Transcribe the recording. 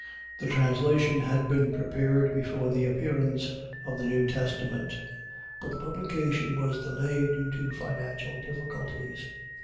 The translation had been prepared before the appearance of the New Testament, but the publication was delayed due to financial difficulties.